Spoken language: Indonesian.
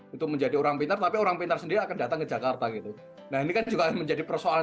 itu menjadi orang pinter tapi orang pinter se keys data ke jakarta gitu nah kan juga menjadi persoalan